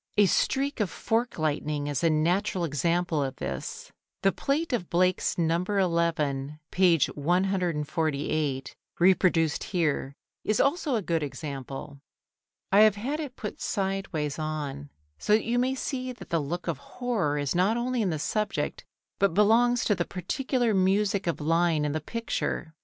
A streak of fork lightning is a natural example of this. The plate of Blake's No. XI, p. 148 [Transcribers Note: Plate XXXII], reproduced here, is also a good example. I have had it put sideways on so that you may see that the look of horror is not only in the subject but belongs to the particular music of line in the picture.